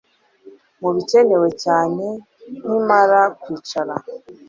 mubikenewe cyane nkimara kwicara